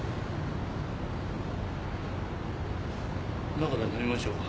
中で飲みましょうか？